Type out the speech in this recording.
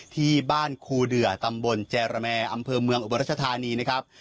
ที่บ้านครูเดือตำบลแจรแมอำเภอเมืองอุบลรัชธานีนะครับ